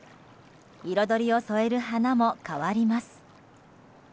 彩りを添える花も変わります。